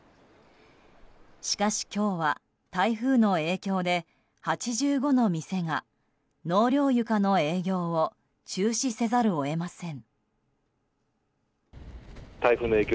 しかし今日は、台風の影響で８５の店が納涼床の営業を中止せざるを得ません。